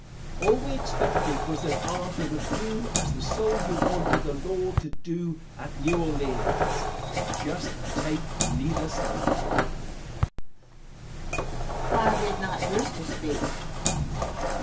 Answer. All we expected was that Arthur would do as the soldier wanted the Lord to do at New Orleans "Just take neither side." Question. Why did not Brewster speak?